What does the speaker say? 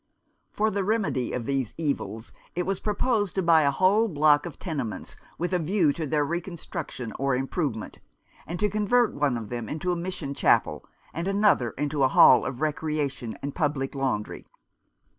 For the remedy of these evils it was proposed to buy the whole block of tenements, with a view to their reconstruction or improvement, and to convert one of them into a mission chapel, and another into a hall of recreation and public laundry.